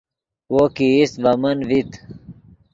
وو کہ ایست ڤے من ڤیت